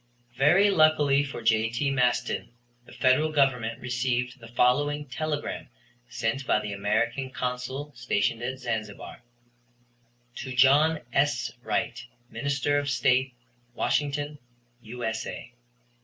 Very luckily for J.T. Maston, the Federal Government received the following telegram sent by the American Consul stationed at Zanzibar: "To John S. Wright, Minister of State, Washington, U.S.A.